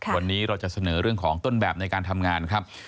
วันนี้เราจะเสนอเรื่องของต้นแบบในการทำงานครับ